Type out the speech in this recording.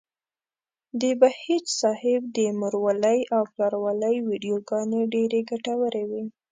د بهيج صاحب د مورولۍ او پلارولۍ ويډيوګانې ډېرې ګټورې وې.